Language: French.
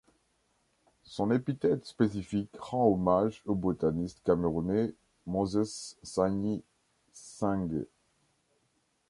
Son épithète spécifique rend hommage au botaniste camerounais Moses Nsanyi Sainge.